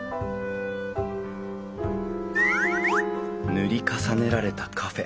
「塗り重ねられたカフェ」